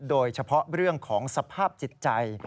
โดยเฉพาะเรื่องของสภาพจิตใจ